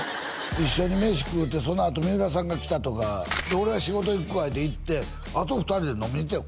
一緒に飯食うてそのあと三浦さんが来たとかで俺は仕事行くわって行ってあと２人で飲みに行ったんよ